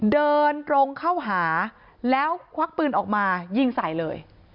เดินตรงเข้าหาแล้วควักปืนออกมายิงใส่เลย